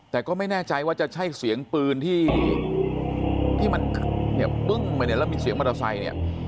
แต่ก็ไม่แน่ใจว่าจะใช้เสียงปืนที่มันมีเสียงมอเตอร์ไซค์เนี่ย